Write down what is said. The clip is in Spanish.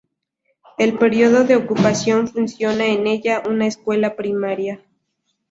El período de ocupación funciona en ella una escuela primaria.